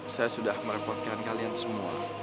saya sudah merepotkan kalian semua